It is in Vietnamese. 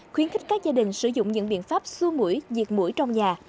khuyến khích các gia đình sử dụng những biện pháp xua mũi diệt mũi trong nhà